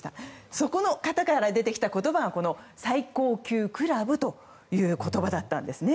そこの方から出てきた言葉が最高級クラブという言葉だったんですね。